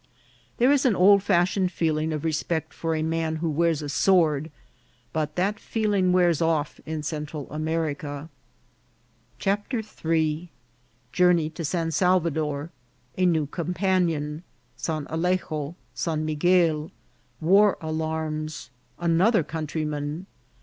There is an oldfashioned feeling of respect for a man who wears a sword, but that feeling wears off in Central America. JOURNEY TO SAN SALVADOR. 41 CHAPTER III. Journey to San Salvador. — A new Companion. — San Alejo.— San Miguel. — War Alarms. — Another Countryman.